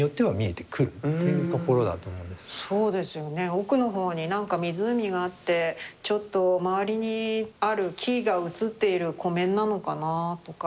奥の方に何か湖があってちょっと周りにある木が映っている湖面なのかなとか。